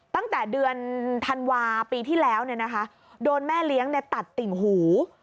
ตั้งแต่เดือนธันวาค์ปีที่แล้วเนี่ยนะคะโดนแม่เลี้ยงเนี่ยตัดติ่งหู